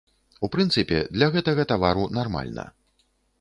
У прынцыпе, для гэтага тавару нармальна.